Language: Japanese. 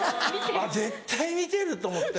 絶対見てると思って。